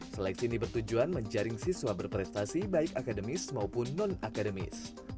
seleksi ini bertujuan menjaring siswa berprestasi baik akademis maupun non akademis